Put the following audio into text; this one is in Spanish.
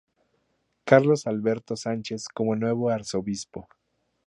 Carlos Alberto Sánchez como nuevo arzobispo.